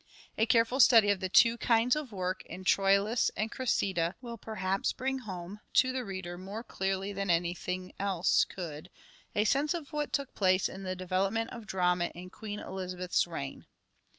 A careful study of the two kinds of work in " Troilus and Cressida " will perhaps bring home to the reader more clearly than anything else could a sense of what took place in the development of drama in Queen Elizabeth's reign.